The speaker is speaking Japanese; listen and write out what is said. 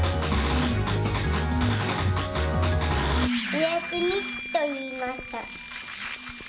「おやすみ」といいました。